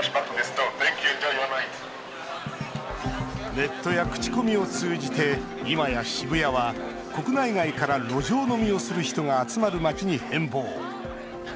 ネットや口コミを通じていまや渋谷は国内外から路上飲みをする人が集まる街に変貌。